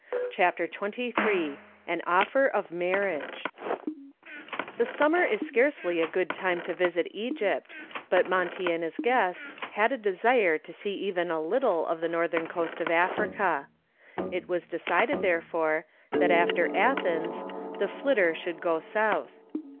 CHAPTER XXIII AN OFFER OF MARRIAGE The summer is scarcely a good time to visit Egypt, but Monty and his guests had a desire to see even a little of the northern coast of Africa. It was decided, therefore, that after Athens, the "Flitter" should go south.